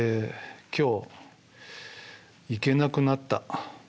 「今日行けなくなった」。